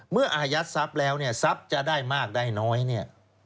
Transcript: อายัดทรัพย์แล้วเนี่ยทรัพย์จะได้มากได้น้อยเนี่ย